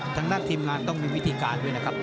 ทางด้านทีมงานต้องมีวิธีการด้วยนะครับ